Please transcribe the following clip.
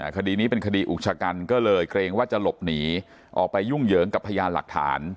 คดีนี้เป็นคดีอุกชะกันก็เลยเกรงว่าจะหลบหนีออกไปยุ่งเหยิงกับพยานหลักฐาน